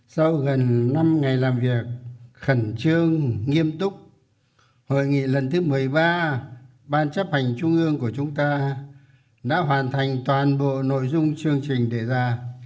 sau gần năm ngày làm việc khẩn trương nghiêm túc hội nghị lần thứ một mươi ba ban chấp hành trung ương của chúng ta đã hoàn thành toàn bộ nội dung chương trình đề ra